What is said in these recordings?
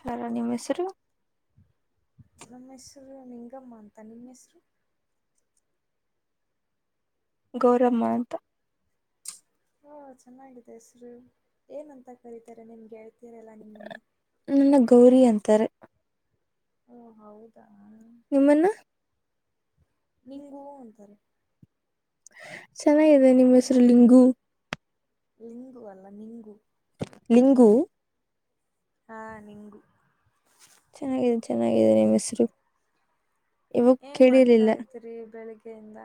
ಹಾರ ನಿಮ್ಮ್ ಹೆಸರು ನಮ್ಮ ಹೆಸರು ನಿಂಗಮ್ಮ ಅಂತ ನಿಮ್ಮ ಹೆಸರು ಗೌರಮ್ಮ ಅಂತ ಹಾ ಚೆನ್ನಾಗಿದೆ ಹೆಸರು ಏನಂತ ಕರೀತಾರೆ ನಿಮ್ಗೆ ಆಯತ ಕರಲ ನಿ ಮು ನನ್ನ ಗೌರಿ ಅಂತಾರೆ ಹಓ ಹೌದಾ ನಿಮ್ಮನ್ನ ನಿಂಗು ಅಂತಾರೆ ಚೆನ್ನಾಗಿದೆ ನಿಮ್ಮ ಹೆಸರುಲಿಿಂಗು ಲಿಂಗು ಅಲ್ಲ ನಿಂಗು ಲಿಂಗೂ ಹಾ ನಿಂಗು ಚೆನ್ನಾಗಿದೆ ಚೆನ್ನಾಗಿದೆ ನಿಮ್ಮ ಹೆಸರು ಇವಾಗ ಏನ್ ಮಾಡ್ತಾ ಕೇಳಿರ್ಲಿಲ್ಲ ಇದತ್ರಿ ಬೆಳಿಗ್ ಬೆಂದ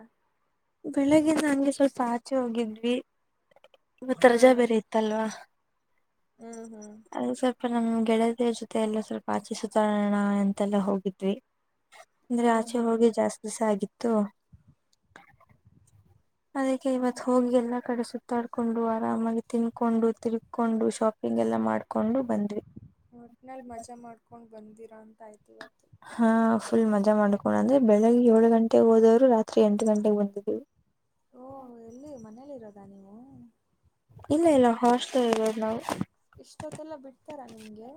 ಬೆಳಗ್ಗಿಂದ ನಂಗೆ ಸ್ವಲ್ಪ ಆಚೆ ಹೋಗಿದ್ವಿ ಇವತ್ತು ರಜಾ ಹಾಂ ಬೇರೆ ಇತ್ತಲ್ವಾ ಹ್ಞೂ ಹ್ಞೂ ಹಾಂ ಅದು ಸ್ವಲ್ಪ ನಮ್ ಗೆಳೆದಿ ಜೊತೆ ಮತ್ತೆ ಎಲ್ಲ ಸ್ವಲ್ಪ ಆಚೆ ಸುತ್ತೋೋಣ ಎಂತೆಲ್ಲ ಹೋಗಿದ್ವಿ ಅಂದ್ರೆ ಆಚೆ ಹಾಂ ಹೋಳಗೆ ಜಾಸ್ತಿ ದಿಸ ಆಗಿತ್ತು ತ್ತು ಅದಕ್ಕೆ ಇವತ್ ಹೋಗಿ ಎಲ್ಲಾ ಕಡೆ ಸುತ್ತಾಡ್ಕೊಂಡು ಆರಾಮಾಗಿ ತಿನ್ಕೊಂಡು ತಿರುಕೊಂಡು ಶಾಪಿಂಗ್ ಎಲ್ಲ ಮಾಡ್ಕೊಂಡು ಬಂದ್ವಿ ಒಟ್ನಲ್ಲಿ ಮಜಾ ಮಾಡ್ಕೊಂಡು ಬಂದಿರಾ ಅಂತಯ್ತ ಹಾ ಫುಲ್ ಮಜಾ ಮಾಡ್ಕೊಂಡಣ ಅಂದ್ರೆ ಬೆಳಿಗ್ಗೆ ಏಳು ಗಂಟೆಗೆ ಹೋದವ್ರು ರಾತ್ರಿ ಎಂಟು ಗಂಟೆಗೆ ಬಂದಿದ್ರು ಅಾನವು ಇಲ್ಲ ಎಲ್ಲ ಹಾಸ್ಟೆಲ್ಗಳು ನಾವು ಇಷ್ಟೊತ್ತಲ್ಲ ಬಿಡ್ತಾರಾ ನಿಮ್ಗೆ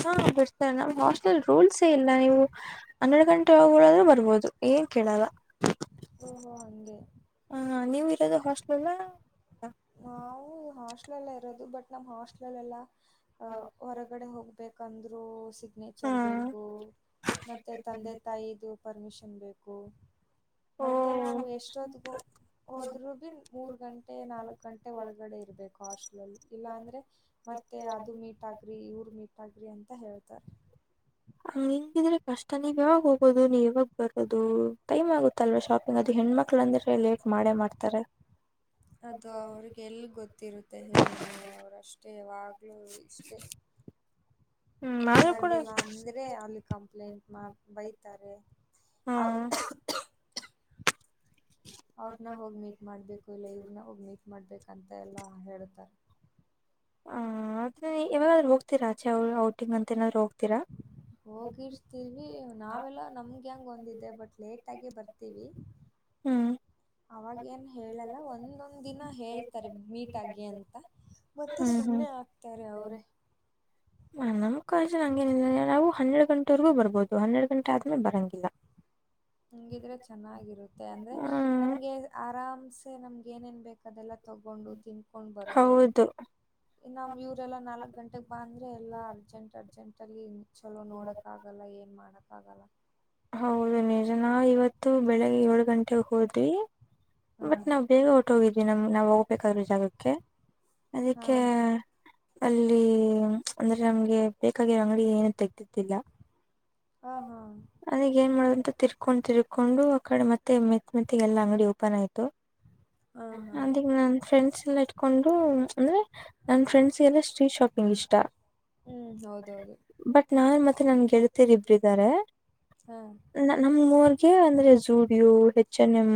ಹಾ ಬಿಡ್ತಾರೆ ನಮ್ ಹಾಸ್ಟೆಲ್ ರೂಲ್ಸೇ ಇಲ್ಲ ನೀವು ಹನ್ನೆರಡು ಗಂಟೆ ಉರದ್ರೂ ಬರ್ಬೋದು ಏನ್ ಕೇಳಲ್ಲ ಓಹೋ ಹಾಗೆ ಹೊಸ್ ಹಲ್ಲ ಇರೋದು ಬಟ್ ನಮ್ಮ್ ಹಾಸ್ಟಲ್ಲ್ಲ ಅಹ ಹೊರಗಡೆ ಹೋಗ್ಬೇಕು ಂದ್ರು ಸಿ ಸಿಗ್ನೇಚರ್ ಹಾ ಬೇಕು ಮತ್ತೆ ತಂದೆ ತಾಯಿದ ಪರ್ಮಿಷನ್ ಬೇಕು ಹ ಮತ್ತೆ ನಾವವು ಓ ಎಷ್ಟೊದ್ಗೂ ಹೋದರು ಬಿ ಗಂಟೆ ನಾಲ್ಕ್ ಗಂಟೆ ಒಳಗಡೆ ಇರಬೇಕು ಹಾಸ್ಲ್ಲ್ಲಿ ಇಲ್ಲಾ ಅಂದ್ರೆ ಮತ್ತೆ ಅದು ಮೀಟ್ ಆಗ್ರಿ ಇವರು ಮೀಟ್ ಆಗ್ರಿ ಎಂತ ಹೇಳ್ತಾರೆ ಹಂಗ್ ಹಿಂಗಿದ್ರೆ ಕಷ್ಟ ನೀವ್ ಯಾವಾಗ ಹೋಗೋದು ನೀವ್ ಯಾವಾಗ ಬರೋದು ಟೈಮ್ ಆಗುತ್ತಲ್ವಾ ಶಾಪಿಂಗ್ ಅದು ಹೆಣ್ಮಕ್ಳ ಅಂದ್ರೆ ಲೇಟ್ ಮಾಡೇ ಮಾಡ್ತಾರೆ ಅದು ಅವ್ರಿಗೆ ಎಲ್ ಗೊತ್ತಿರುತ್ತೆ ಹೇಳಿ ನೀವು ಅವ್ರಷ್ಟೇ ಯಾವಾಗ ಇಷ್ಟೇ ಹ್ಮ್ ಆದ್ರೂ ಕೂಡ ಬಂದಿಲ್ಲ ಅಂದ್ರೆ ಅಲ್ಲಿ ಕಂಪ್ಲೇಂಟ್ ಮಾಡ ಬೈತಾರೆ ಹಾ ಹ ಅವ್ರನ್ನ ಹೋಗಿ ಮೀಟ್ ಮಾಡ್ಬೇಕು ಇಲ್ಲ ಇವ್ರನ್ನ ಹೋಗಿ ಮೀಟ್ ಮಾಡ್ಬೇಕಂತ ಎಲ್ಲಾ ಹೇತಾರೆ ಹ ಇವಾಗ್ರರು ಹೋಗ್ತಿೀರಾ ಆಚೆ ಔಟಿಂಗ್ ಅಂತ ನಾದ್ ಹೋಗ್ತ ಹೋಗಿರ್ಸ್ತೀವಿ ನಾವೆಲ್ಲ ನಮ್ಗೆ ಹಂಗ ಒಂದಿದ್ದೆ ಬಟ್ ಲೇಟ್ ಆಗಿ ಬರ್ತೀವಿ ಹ್ಮ್ ಅವಾಗೇಏನು ಹೇಳಲ್ಲ ಒಂದೊಂದ್ ದಿನ ಹೇಳ್ತಾರೆ ಮೀಟ್ ಆಗಿ ಅಂತ ಮತ್ತೆ ಹ್ಮ್ ಸುಮ್ಮನೆ ಆಗ್ತಾರೆ ಅವ್ರೇ ನಮ್ಮ್ ಕಜ ನಂಗೇನಿಲ್ಲ ನಾವು ಹೆಡ್ ಗಂಟೆವರೆಗೂ ಬರ್ಬೋದು ಹನ್ನೆರಡ್ ಗಂಟೆ ಆದ್ಮೆ ಬರಂಗಿಲ್ಲ ನಂಗಿದ್ರೆ ಚೆನ್ನಾಗಿರುತ್ತೆ ಅಂದ್ರೆ ಹ್ಮ್ ನಮಗೆ ಆರಾಮ್ ನಮ್ಗೆ ಏನೇನ್ ಬೇಕ ಅದೆಲ್ಲ ತಗೊಂಡು ತಿಂದ್ಕೊಂಡು ಬರ್ಬೋದು ಹೌದು ಇ ನಮ್ ಇವರೆಲ್ಲ ನಾಲ್ಕಕ್ ಗಂಟೆಗ್ ಬಂದ್ರೆ ಎಲ್ಲಾ ಅರ್ಜೆಂಟ್ ಆ ಅರ್ಜೆಂಟಲ್ಲಿ ಚಲೋ ನೋಡಕ್ ಆಗಲ್ಲ ಏನ್ ಮಾಡಕ್ ಹಾಗಲ್ಲ ಹೌದು ನಿಜನಾ ಇವತ್ತು ಬೆಳಿಗ್ಗೆ ಏಳು ಗಂಟೆಗೆ ಹೋದ್ವಿ ಹಾ ಬಟ್ ನಾವ್ ಬೇಗ ಹೊಟ್ಟ ಹೋಗಿದ್ವಿ ನಮ್ ನಾವವು ಬೇಕಾದ್ರೆ ಜಾಗಕ್ಕೆ ಹಾ ಅದಕ್ಕೆ ಅಲ್ಲಿ ಅಂದ್ರೆ ನಮ್ಗೆ ಬೇಕಾಗಿರೋ ಅಂಗಡಿ ಏನು ತೆೆಗೆ್ದಿದ್ದಿಲ್ಲ ಹಾ ಹಾ ಅದಗ ಏನ್ ಮಾಡುದಂತ ತಿರ್ ಕುಂತಿ ಕೊಂಡ್ ತಿರ್ಕೊಂಡು ಆ ಕಡೆ ಮತ್ತೆ ಮೆತ್ ಮೆತ್ತ ಎಲ್ಲಾ ಅಂಗಡಿ ಓಪನ್ ಆಯ್ತು ಹಾ ಹಾ ಅದ ನನ್ ಫ್ರೆಂಡ್ಸ್ ಎಲ್ಲ ಇಟ್ಕೊಂಡು ಅಂದ್ರೆ ನನ್ನ ಫ್ರೆಂಡ್ಸ್ಗೆಲ್ಲ ಸ್ಟ್ರೀಟ್ ಶಾಪಿಂಗ್ ಇಷ್ಟ ಹ್ಮ್ ಹೌದೌದು ಬಟ್ ನಾನ್ ಮತ್ತೆ ನನ್ ಗೆಳ್ತಿರ್ ಹಾ ನಮ ಊರ್ಗೆ ಅಂದ್ರೆ ಜೂಡಿಯೋ H N M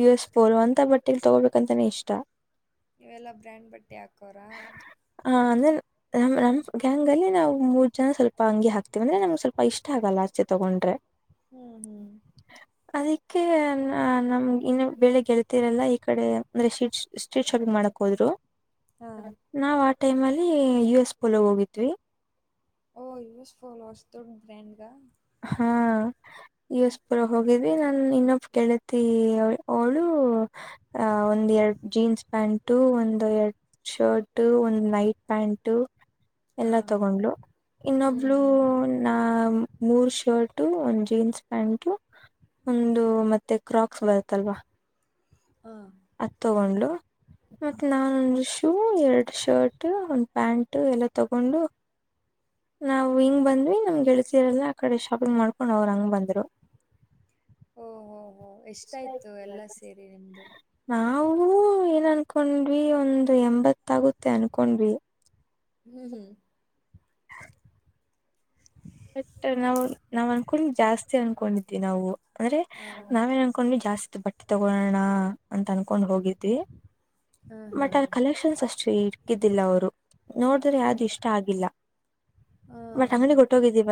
U S four ಅಂತ ಬಟ್ಟಲಿ ತಗೋಬೇಕಂತಾನೆ ಇಷ್ಟ ಇವೆಲ್ಲಾ ಬ್ರ್ಯಾಂಡ್ ಬಟ್ಟೆ ಹಾಕೋರಾ ಹ ಅಂದ್ರೆ ನಮ್ ನಮ್ ಗ್ಯಾಂಗ್ ಅಲ್ಲಿ ನಾವು ಮೂರ್ ಜನ ಸ್ವಲ್ಪ ಅಂಗಿ ಹಾಕ್ತಿೇವಿ ಅಂದ್ರೆ ನಮ್ಗೆ ಸ್ವಲ್ಪ ಇಷ್ಟ ಆಗಲ್ಲ ಆಚೆ ತಗೊಂಡ್ರೆ ಹ್ಮ್ ಹ್ಮ್ ಅದಿ ೆ ನಮ್ಗೆ ಇನ್ನು ಬೆೇಳೆ ಗೆಳತಿರಲ್ಲಾ ಈ ಕಡೆ ಅಂದ್ರೆ ಶ್ಟೀಟ್ ಸ್ಟ್ರೀಟ್ ಶಾಪಿಂಗ್ ಮಾಡಕ್ ಹೋದ್ರು ಹಾ ನಾವ್ ಆ ಟೈಮ್ ಅಲ್ಲಿ ಯು ಎಸ್ ಪಲ ಹೋಗಿದ್ವಿ ಓ ಯೂಸ್ಫೋನ್ ತೋಡ ಗ್ರ್ಯಾಂಡ್ಗ ಹಾ ಯಸ್ ಪುರ ಹೋಗಿದ್ವಿ ನನ್ ಇನ್ನೊಬ್ ಗೆಳತಿ ಅವಳು ಅ ಒಂದ್ ಎರಡ್ ಜೀನ್ಸ್ ಪ್ಯಾಂಟು ಒಂದು್ ಎರಡ್ ಶರ್ಟ್ ಒಂದ್ ನೈಟ್ ಪ್ಯಾಂಟ ಹಾ ಎಲ್ಲಾ ತಗೊಂಡ್ಲು ಹ್ಮ್ ಇನ್ನೊಬ್ಳ ಹ್ಮ್ ನಾ ಶರ್ಟ ಒಂದು್ ಜೀನ್ಸ್ ಪ್ಯಾಂಟು ಒಂದು ಮತ್ತೆ ಕ್ರಾಕ್ಸ್ ಬರುತ್ತಲ್ವಾ ಹ ಅದು ತಗೊಂಡು ಮತ್ತು ನಾನೊಂದು ಶೂ ಎರಡು ಶರ್ಟ್ ಒಂದು ಪ್ಯಾಂಟು ಎಲ್ಲ ತಗೊಂಡು ನಾವು ಹಿಂಗೆ ಬಂದ್ವಿ ನಮ್ಮ್ ಗೆಳತರಲ್ಲ ಆ ಕಡೆ ಶಾಪಿಂಗ್ ಮಾಡ್ಕೊಂಡು ಅವರು ಹಂಗ್ ಬಂದರು ಓಹ ಹೋ ಹೋ್ ಎಷ್ಟಾಯ್ತು ಎಲ್ಲ ಸೇರಿ ನಿಮ್ದು ನಾವೂ ಏನ್ ಅನ್ಕೊಂಡ್ವಿ ಒಂದು್ ಎಂಬತ್ತಾಗುತ್ತೆ ಅನ್ಕೊಂಡ್ವಿ ಹ್ಮ್ ಹ್ಮ್ ಬಟ್ ನಾವು ನಾವ್ ಅನ್ಕೊಂಡ ಜಾಸ್ತಿ ಅನ್ಕೊಂಡಿದ್ವಿ ನಾವು ಅಂದ್ರೆ ಹಾ. ನಾವೇನ್ ಅನ್ಕೊಂಡ್ವಿ ಜಾಸ್ತಿ ಬಟ್ಟೆ ತಗೊಳೋಣ ಅ ಅಂತ ಅನ್ಕೊಂಡ್ ಹೋಗಿದ್ವಿ ಹಾ, ಹಾ. ಮತ್ ಅ್ರ ಕಲೆಕ್ಷನ್ಸ್ ಅಷ್ಟು ಇಕಿದ್ದಿಲ್ಲ ಅವರು ನೋಡಿದ್ರೆ ಯಾವ್ದು ಓಹ್! ಇಷ್ಟ ಆಗಿಲ್ಲ- ಹಾ, ಮತ್ ಹಾ. ಅಂಗಡಿ ಗೊ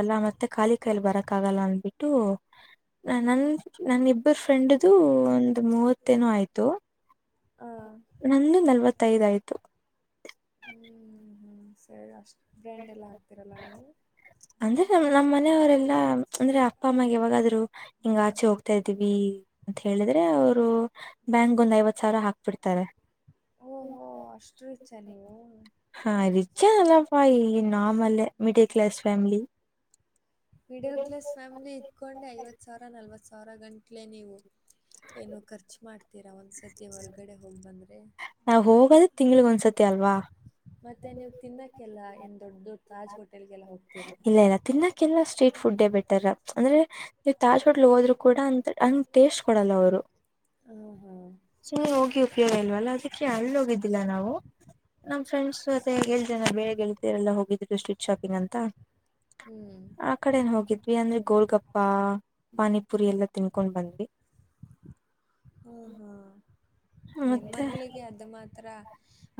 ಲ್ಲ ಮತ್ತೆ ಖಾಲಿ ಕಾಯಲ್ಲಿ ಬರಕ್ ಆಗಲ್ಲ ಅಂದ್ಬಿಟ್ಟು ನ ನ ನಮಿಬ್ ಫ್ರೆಂಡ್ ದು ಒಂದು್ ಮೂವತ್ತೇನು ಆಯ್ತು ಹಾ. ನಂದು ನಲ್ವತ್ತೈದು ಆಯ್ತು ಹ್ಮ್ ಹ್ಮ್ ಸರಿ ಅಷ್ಟೇ ಬ್ರ್ಯಾಂಡ್ ಎಲ್ಲ ಹಾಕ್ತಿೀರಲ್ಲ ನೀವು ಅಂದ್ರೆ ನಮ ನಮ್ಮ್ ಮನೆಯವರೆಲ್ಲಾ ಅಂದ್ರೆ ಅಪ್ಪ ಅಮ್ಮಗೆ ಯಾವಾಗಾದ್ರು ಹಿಂಗ ಆಚೆ ಹೋಗ್ತಾ ಇದ್ದೀವಿ ಅಂತ ಹೇಳಿದ್ರೆ ಅವರು ಬ್ಯಾಂಕ್ ಒಂದ್ ಐವತ್ ಸಾವಿರ ಹಾಕ್ಬಿಡ್ತಾರೆ ಓಹೋ! ಅಷ್ಟು ರಿಚ್ಚಾ ನೀವು? ಹ ರಿಚ್ ಅಲ್ಲೆ ಫೈ ಇನ್ ನಾರ್ಮಲ್ಲೆ middle class family middle class family ಇದ್ಕೊಂಡೆ ಐವತ್ ಸಾವಿರ ನಲ್ವತ್ ಸಾವರ ಸಾವಿರ ಗಂಟ್ಲೆ ನೀವು ಏನು ಖರ್ಚು ಮಾಡ್ತೀರ ಒಂದ ಸದ್ಯ ಹೊರ್ಗಡೆ ಹೋಗ್ ಬಂದ್ರೆ ನಾವ್ ಹೋಗೋದು ತಿಂಗ್ಳಗ್ ಒಂದ್ಸತಿ ಅಲ್ವಾ ಮತ್ತೆ ನೀವು ತಿನ್ನಕ್ಕೆಲ್ಲ ಏನ್ ದೊಡ್ ದೊಡ್ ತಾಜ್ ಹೊಟ್ ಇಲ್ಲ ಇಲ್ಲ ತಿನ್ನಕ್ಕೆಲ್ಲ ಸ್ಟೇಟ್ ಫುಡ್ಡೆ ಬೆಟರ್ ಅಂದ್ರೆ ನೀವು್ ತಾಜ್ಪೋಟ್ಲ್ ಹೋದ್ರು ಕೂಡ ಅಂತ ಅಂಗ್ ಟೇಸ್ಟ್ ಕೊಡಲ್ಲ ಅವ್ರು ಹಾ, ಹಾ. ಸ ಹೋಗಿ ಉಪಯೋಗ ಇಲ್ವಲ್ಲ ಅದಕ್ಕೆ ಅಲ್ ಹೋಗಿದ್ದಿಲ್ಲ ನಾವು ನಮ್ ಫ್ರೆಂಡ್ಸ್ ಜೊತೆ ಎಲ್ ಜನ ಬೇರೆ ಗೆಳತಿದರೆಲ್ಲ ಹೋಗಿದ್ರು ಸ್ಟ್ರೀಟ್ ಶಾಪಿಂಗ್ ಅಂತ ಹ್ಮ್. ಆ ಕಡೆನ್ ಹೋಗಿದ್ವಿ ಅಂದ್ರೆ ಗೋಲ್ಗಪ್ ಪ್ಪಾ ಪಾನಿಪುರಿ ಎಲ್ಲ ತಿನ್ಕೊಂಡ್ ಬಂದ್ವಿ ಹ್ಮ ಹ್ಮ್ ಹೆಣ್ ಮತ್ತೆ ಮಕ್ಳಿಗೆ ಅದು ಮಾತ್ರ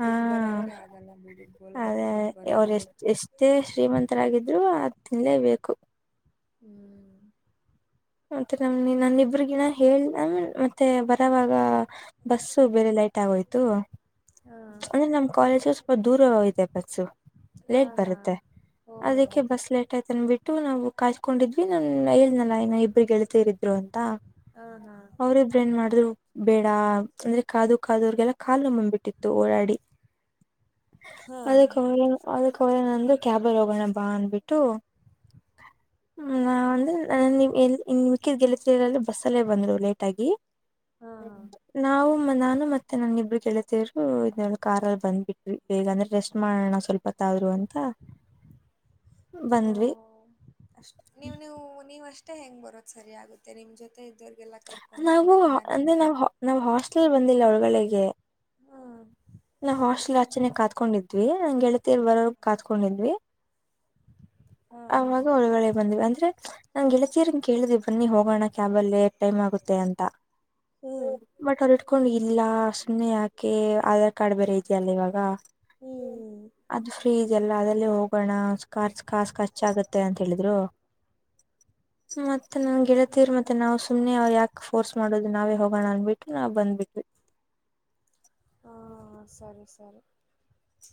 ಹಾ ಬಿಟ್ ಬರಕ್ಕೆ ಆಗಲ್ಲ ಬಿಡಿ ಗೋಲ್ಗಪ್ಪ ಅದೇ ಬಿಟ್ ಅವರು ಬರೋದೇ ಇಲ್ಲ ಎಷ್ಟ ಎಷ್ಟೇ ಶ್ರೀಮಂತರಾಗಿದ್ರು ಆ ತಿನ್ಲೇಬೇಕು ಹ್ಮ್ ಮತ್ತೆ ನಮ್ ನನ್ನಿಬ್ರಗಿನ ಹೇಳ ಮತ್ತೆ ಬರವಾಗ ಬಸ್ಸು ಬೇರೆ ಲೈಟ್ ಆಗೋಯ್ತು ಹಾ ಅಂದ್ರೆ ನಮ್ ಕಾಲೇಜ ಸ್ವಲ್ಪ ದೂರ ಹಿದೆ ಬಸ್ಸು ಹಾ ಲೇಟ್ ಹಾ ಬರುತ್ತೆ ಓಹೋ ಅದಕ್ಕೆ ಹಂಗೆ ಬಸ್ ಲೇಟ್ ಆಯ್ತ ಅಂದ ಬಿಟ್ ತು ನಾವು ಕಾಯ್ಕೊಂಡಿದ್ ನನ್ ಹೇಳದ್ನಲ್ಲ ಇನ ಇಬ್ರು ಗೆಳತಿರು ಇದ್ರು ಅಂತ ಹಾ ಹಾ ಅವ್ರ ಇಬ್ರು ಎನ್ ಮಾಡಿದ್ರು ಬೇಡ ಅಂದ್ರೆ ಕಾದು ಕಾದೋರ್ಗೆಲ್ಲ ಕಲ್ನೋವ್ ಬಂದ್ಬಿಟ್ ಓಡಾಡಿ ಹಾ [unintelligible] ನಾ ಅಂದೇ ಕ್ಯಾಬಿಗ್ ಹೋಗೋಣ ಬಾ ಅಂದಬಿಟ್ಟು, ಇನ್ ಮಿಕ್ಕಿದ ಬಸ್ಸಲ್ಲಿ ಬಂದ್ರು ಲೇಟ್ ಆಗಿ ಹಾ ಹ್ಮ ಹಾ ನಾವು ನಾನು ಮತ್ತೆ ನಾನಿಬ್ರ ಗ... ರು ಕಾರಲ್ ಬಂಧಬಿಟ್ವಿ ಬೇಗ ಅಂದ್ರೆ ರೆಸ್ಟ್ ಮಾಡಣ ಸ್ವಲ್ಪತ್ತಾದ್ರು ಅಂತ.. ಓ ಬಂದ್ವಿ ಅಷ್ಟ ನೀವು ನೀವು ನೀವ್ ಅಷ್ಟ.. ತಿ ಹೆಂಗ್ ಬರೋಧ್ ಸರಿ ಆಗುತ್ತೆ ನಿಮ್ ಜೊ... ನಾವು ಅಂದ್ರೆ ನೀವು ನಾವ್ ನಾವ್ ಹಾಸ್ಟೆಲ್ ಬಂದಿಲ್ಲ ವಲ್ಗಳೆಗೆ... ಕೆ ಹ್ಮ್ ನಾವ್ ಹಾಸ್ಟೆಲ್ ಆಚ್ಚನೆ ಕಾತ್ಕೊಂಡಿದ್ವಿ ನಂಗ್ ಗೆಳತರ್ ಬರೋರ್ಗ್ ಕಾತ್ಕೊಂಡಿದ್ವಿ ಹಾ ಅವಾಗ ಒಳಗಡೆ ಬಂದ್ವಿ ಅಂದ್ರೆ.. ನಾ ಗೆಳತಿಯರನ್ನ ಕೇಳಿದ್ವಿ ಬನ್ನಿ ಹೋಗೋಣ ಕ್ಯಾಬ ಅಲ್ಲಿ ಟೈಮ್ ಆಗುತ್ತೆ ಅಂತ ಹ್ಮ್ ಬಟ್ ಅವರಿಡ್ಕೊಂಡ ಇಲ್ಲ... ಸುಮ್ನೆ ಯಾಕೆ ಅ.. ಕಡಬೆರೆ ಏತ್ ಅಲ್ಲ ಇವಾಗ.. ಹ್ಮ್ ಹ್ಮ್ ಅದು ಫ್ರೀ ಇದೆಲ್ಲ ಅದರಲ್ಲೇ ಹೋಗಣ ಕಾರ್ಸ್ ಕಸ್ ಖರ್ಚ್ ಆಗತ್ತೆ ಅಂತ ಹೇಳಿದ್ರು ಮ... ಮತ್ತ ನನ್ ಗೆಳತಿಯಾರ್ ಮತ್ತೆ ನಾ ಸುಮ್ನೆ್ ಯಕಕ್ ಫೋರ್ಸ್ ಮಾಡೋದು ನಾವೇ ಹೋಗಣ ಅಂದ್ಬಿಟ್ಟು ನಾವ್ ಬಂದ್ವಿ... ಹ ಸರಿ ಸರಿ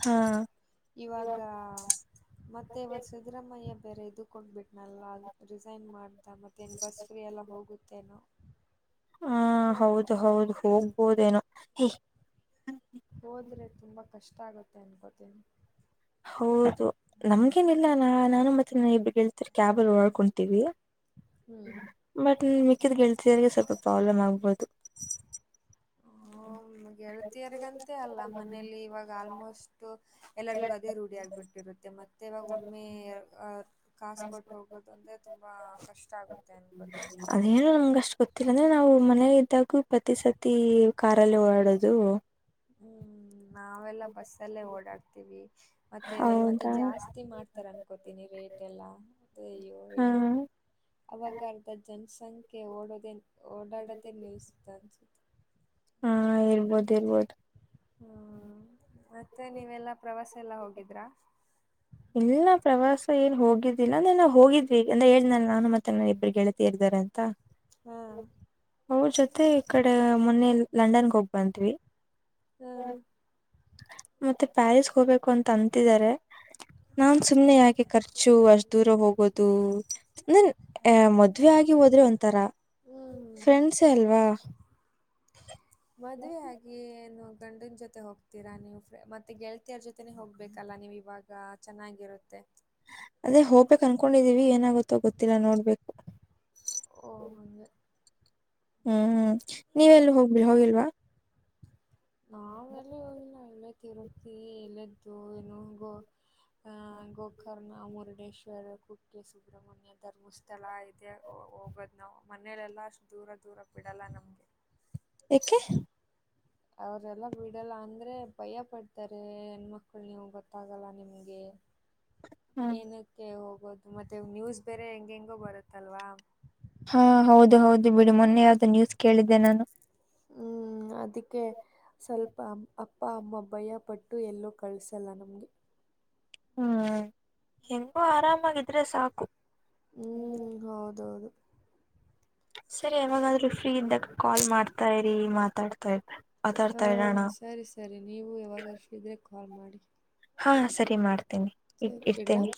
ಹಾ ಹ ಇವಾಗ ಮತ್ತೆ ಇವತ್ತ ಸಿದ್ದರಾಮಯ್ಯ.. ಬೇರೆ ಇದು ಕೊಟ್ಟಬಿಟ್ಟನಲ್ಲ ರಿಸೈನ್ ಮಾ.. ಮತ್ತೆ ಇನ್ ಬಸ್ ಫ್ರೀ ಎಲ್ಲ ಹೋಗುತ್ತೇನೋ ಹಾ ಹೌದು ಹೌದು ಹೋಗ್ಬೋದೇನೋ ಹೋದ್ರೆ ತುಂಬಾ ಕಷ್ಟ ಆಗುತ್ತೆ ಅನ್ಕೋತೀನಿ ಹೌದು ನಮ್ಗೇನಿಲ್ಲ ನಾ ನಾನು ಮತ್ತೆ ಇಬ್ರಗ್ ಗೆಳ್ತೀರ್ ಕ್ಯಾಬ್ ಅಲ್ ಒಡಾಡ್ಕತಿವಿ ಹ್ಮ್ ಬಟ್ ಇನ್ ಮಿಕ್ಕಿದ ಗೇಳ್ತೀ.. ರಿಗೆ ಸ್ವಲ್ಪ ಪ್ರಾಬ್ಲಮ್ ಆಗ್ಬಹುದು ಹ ಗೆಳತಿಯರ್ಗಂತೆ ಅಲ್ಲ ಮನೇಲಿ ಇವಾಗ ಆಲ್ಮೋಸ್ಟ್.. ಎಲ್ಲರಿಗು ಅದೇ ರೂಢಿ ಆಗ್ಬಿಟ್ಟಿರುತ್ತೆ ಮತ್ತೆ ಇವಾಗ ಒಮ್ಮೆ ಅ ಕಾಸ ಕೊಟ್ಟ ಹೋಗೋದು ಅಂದ್ರೆ ತುಂಬಾ ಕಷ್ಟ ಆಗುತ್ತೆ ಅನ್ಕೋತೀನಿ ಮನೇಲ್ ಇದ್ದಾಗು ಪ್ರತಿ ಸತಿ ಕಾರಲ್ಲೇ ಓಡಾಡೋದು.. ಹ್ಮ್ ನಾವೆಲ್ಲ ಬಸ್ಸಲ್ಲೇ ಓಡಾಡ್ತೀವಿ ಮತ್ತೆ ಇವಾಗ ಮತ್ತೆ ಹೌದಾ ಜಾಸ್ತಿ ಮಾಡ್ತಾರೆ ಅನ್ಕೋತೀನಿ ರೇಟ್ ಎಲ್ಲ ಅಯ್ಯೋ ಹಾ ಏನು ಅವಾಗ ಅರ್ದ ಜನ್.. ಸಂಖ್ಯೆ ಓಡೋದೇ... ಓಡಾಡೋದೇ ನಿಸ್ತನ್.. ಹಾ ಇರ್ಬೋದ ಇರ್ಬೋದು ಹ್ಮ್ ಮತ್ತೆ ನೀವೆಲ್ಲಾ ಪ್ರವಾಸ ಎಲ್ಲ ಹೋಗಿದ್ರಾ ಇಲ್ಲ ಪ್ರವಾಸ ಏನ್ ಹೋಗಿದ್ದಿಲ್ಲ ಅಂದ ನ ಹೋಗಿದ್ವಿ ಅಂದ್ರ ಹೇಳ್ದನ ನಾನು ಮತ್ತೆ ಇಬ್ರು ಗೆಳತಿಯರು ಅಂತ ಹಾ ಅವ ಜೊತೆ ಈ ಕಡೆ ಮೊನೇಲಿ ಲಂಡನ್ಗೆ ಹೋಗ್ ಬಂತತ್ವಿ ಹ್ಮ್ ಹ ಮತ್ತೆ ಪ್ಯಾರಿಸ್ಗೆ ಹೋಗ್ಬೇಕು ಅಂತ ಅಂತಿದ್ದಾರೆ ನಾನ್ ಸುಮ್ನೆ ಆಕೆ ಖರ್ಚು ಅಷ್ಟ್ ದೂರ ಹೋಗೋದು ಮದ್ವೆ ಆಗಿ ಹೋದ್ರೆ ಒಥರ ಹ್ಮ್ ಫ್ರೆಂಡ್ಸೇ ಅಲ್ವಾ ಮದುವೆ ಆಗಿ ಏನು ಗಂಡನ್ ಜೊತೆ ಹೋಗ್ತೀರಾ ನೀವು ಮತ್ತೆ ಮತ್ತೆ ಗೆಳತಿಯರ್ ಜೊತೆನೆ ಹೋಗ್ಬೇಕಲ್ಲ ನೀವು ಇವಾಗ ಚೆನ್ನಾಗಿರುತ್ತೆ ಅದೇ ಹೋಗ್ಬೇಕಕ್ ಅನ್ಕೊಂಡಿದೀವಿ ಏನಾಗುತ್ತ ಗೊತ್ತಿಲ್ಲ ನೋಡ್ಬೇಕು ಓ ಹಂಗ ಹ್ಮ್ ಹ್ಮ್ ನೀವೆ ಎಲ್ಲ ಹೋಗ್ಬಿ ಹೋಗಿಲ್ವಾ ಹ್ಮ ನ ಎಲ್ಲೇ ತಿರುಪ್ತಿ ಎಲ್ಲ್ದು ಏನು ಗೋ ಗೋಕರ್ಣ ಮುರುಡೇಶ್ವರ ಕುಕ್ಕೆ ಸುಬ್ರಹ್ಮಣ್ಯ ಧರ್ಮಸ್ಥಳ ಇದೆ ಹೋಗೋದು ನಾವು ಮನೆಯಲೆೆಲ್ಲ ಅಷ್ಟು ದೂರ ದೂರ ಬಿಡಲ್ಲ ನಮಗೆ ಯಾಕೆ ಅವರೆಲ್ಲ ಬಿಡಲ್ಲ ಅಂದ್ರೆ ಭಯ ಪಡ್ತಾರೆ ಹೆಣ್ಮಕ್ಳು ನೀವು ಗೊತ್ತಾಗಲ್ಲ ನಿಮಗೆ ಏನಕ್ಕೆ ಹೋಗ ಬೋದು ಮತ್ತೆ ನ್ಯೂಸ್ ಬೇರೆ ಹೆಂಗ ಹೆಂಗೋ ಬರುತ್ತಲ್ವಾ ಹಾ ಹೌದು ಹೌದು ಬಿಡಿ ಮೊನ್ನೆ ಯಾವ್ದು ನ್ಯೂಸ್ ಕೇಳಿದ್ದೆ ನಾನು ಹ್ಮ್ ಅದಕ್ಕೆ ಸ್ವಲ್ಪ ಅಪ್ಪ ಅಮ್ಮ ಭಯ ಪಟ್ಟು ಎಲ್ಲೂ ಕಳ್ಸಲ್ಲ ನಮ್ಗೆ ಹ್ಮ್ ಹೆಂಗೋ ಆರಾಮಾಗಿದ್ರೆ ಸಾಕು ಹ್ಮ್ ಹೌದೌದು ಸರಿ ಯಾವಾಗಾದ್ರೂ ಫ್ರೀ ಇದ್ದಾಗ ಕಾಲ್ ಮಾಡ್ತಾ ರೀ ಮಾತಾಡ್ತಾ ಇದ್ರೆ ಹಾ ಸರಿ ಸರಿ ನೀವು ಯಾವಾಗರ್ಷ ಇದ್ರೆ ಕಾಲ್ ಮಾಡಿ ಹಾ ಸರಿ ಮಾಡ್ತ ಇತೇನೆ ಇ ಸರಿ ಇಡ್ಲಾ ಇರ್ತೇನೆ